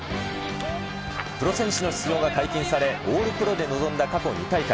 プロ選手の出場が解禁され、オールプロで臨んだ過去２大会。